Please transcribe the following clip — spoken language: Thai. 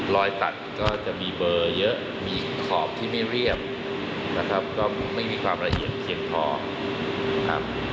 รอยตัดก็จะมีเบอร์เยอะมีขอบที่ไม่เรียบนะครับก็ไม่มีความละเอียดเพียงพอครับ